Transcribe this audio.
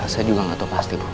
saya juga nggak tahu pasti bu